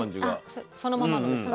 そのままのですか？